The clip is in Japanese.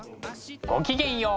ごきげんよう。